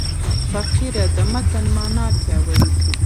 فقره د متن مانا پیاوړې کوي.